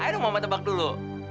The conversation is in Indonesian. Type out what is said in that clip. ayo mama tebak dulu